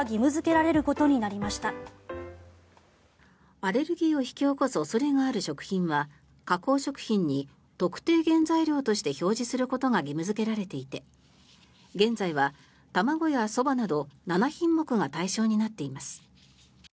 アレルギーを引き起こす恐れがある食品は加工食品に特定原材料として表示することが義務付けられていて現在は卵やそばなど７品目が対象になっています。